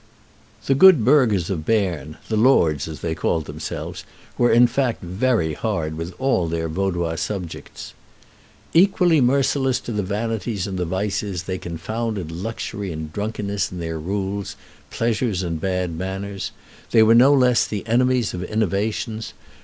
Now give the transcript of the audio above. The good burghers of Berne the Lords as they called themselves were in fact very hard with all their Vaudois subjects. "Equally merciless to the vanities and the vices, they confounded luxury and drunkenness in their rules, pleasures and bad manners. They were no less the enemies of innovations.